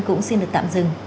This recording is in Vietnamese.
cũng xin được tạm dừng